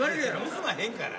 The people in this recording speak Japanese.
盗まへんから。